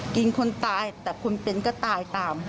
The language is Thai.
กินคนตายแต่คนเป็นก็ตายตาม